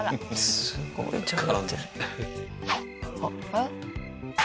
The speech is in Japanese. えっ？